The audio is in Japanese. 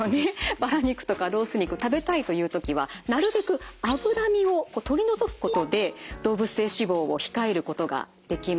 バラ肉とかロース肉食べたいという時はなるべく脂身を取り除くことで動物性脂肪を控えることができます。